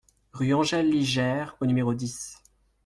Rue Angèle Ligère au numéro dix